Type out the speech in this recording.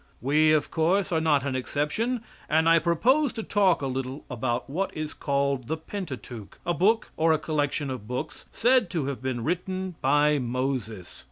We, of course, are not an exception, and I propose to talk a little about what is called the Pentateuch, a book, or a collection of books, said to have been written by Moses.